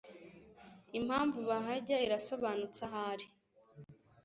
impamvu bahajya irasobanutse ahari,